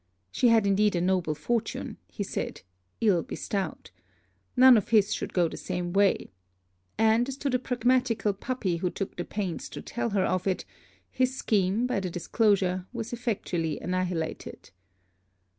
She had indeed a noble fortune, he said, ill bestowed. None of his should go the same way. And, as to the pragmatical puppy who took the pains to tell her of it, his scheme, by the disclosure, was effectually annihilated.